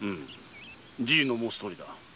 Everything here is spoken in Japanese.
じいの申すとおりだ。